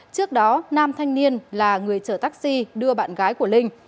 trước đó nam thanh niên là người chở taxi đưa bạn gái của linh